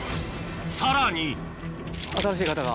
さらに新しい方が。